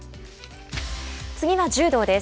次は柔道です。